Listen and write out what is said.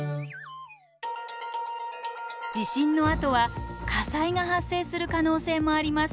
地震のあとは火災が発生する可能性もあります。